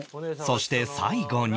そして最後に